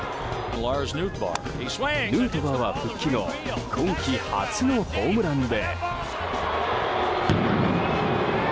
ヌートバーは復帰後今季初のホームランで。